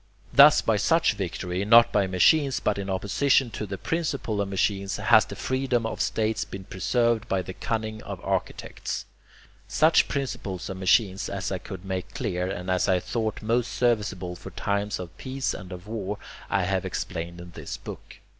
Thus by such victory, not by machines but in opposition to the principle of machines, has the freedom of states been preserved by the cunning of architects. Such principles of machines as I could make clear, and as I thought most serviceable for times of peace and of war, I have explained in this book.